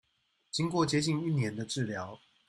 經過接近一年的治療